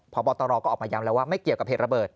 พบตรก็ออกมาย้ำแล้วว่าไม่เกี่ยวกับเหตุระเบิด